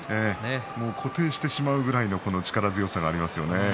固定してしまうぐらいの力強さがありますよね。